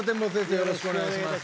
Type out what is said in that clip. よろしくお願いします